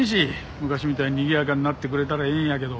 昔みたいににぎやかになってくれたらええんやけど。